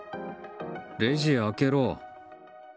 レジ開けろ。